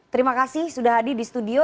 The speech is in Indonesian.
terima kasih sudah hadir di studio